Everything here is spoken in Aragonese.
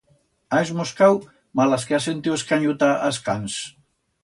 Ha esmoscau malas que ha sentiu escanyutar a's cans.